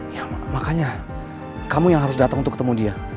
ya makanya kamu yang harus datang untuk ketemu dia